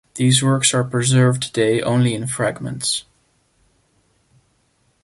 These works are preserved today only in fragments.